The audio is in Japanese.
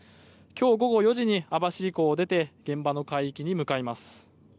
今日午後４時に網走港を出て現場の海域に向かいます。